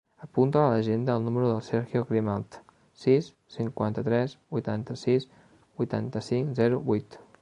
Apunta a l'agenda el número del Sergio Grimalt: sis, cinquanta-tres, vuitanta-sis, vuitanta-cinc, zero, vuit.